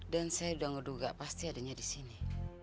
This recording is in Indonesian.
dan saya udah ngeduga pasti adanya di sini